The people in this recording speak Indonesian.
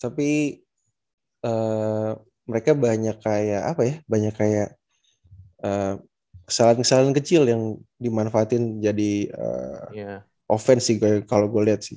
tapi mereka banyak kayak kesalahan kesalahan kecil yang dimanfaatin jadi offense sih kalo gua liat sih